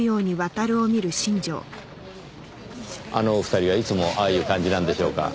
あのお二人はいつもああいう感じなんでしょうか？